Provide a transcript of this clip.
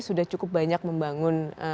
sudah cukup banyak membangun